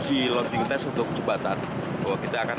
itu muatan enam belas ton